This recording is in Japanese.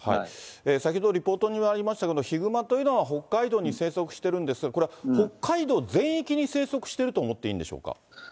先ほどリポートにもありましたけれども、ヒグマというのは北海道に生息してるんですが、これ、北海道全域に生息してると思っていいんでしょうか。